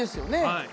はい。